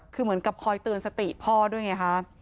คือเหมือนกับคอยเตือนสติพ่อด้วยไงคะ